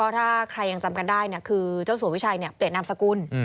ถ้าใครยังจำกันได้คือเจ้าสัววิชัยเปลี่ยนนามสกุล